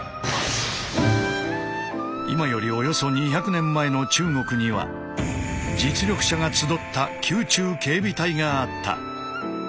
今よりおよそ２００年前の中国には実力者が集った宮中警備隊があった。